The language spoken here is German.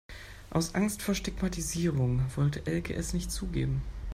Aus Angst vor Stigmatisierung wollte Elke es nicht zugeben.